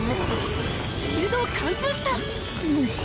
シールドを貫通した⁉モス。